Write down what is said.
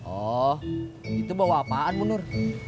oh itu bawa apaan bu nur